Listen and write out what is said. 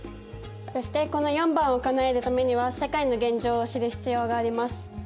そしてこの４番をかなえるためには世界の現状を知る必要があります。